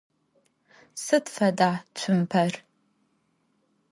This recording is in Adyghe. Sıd feda tsumper?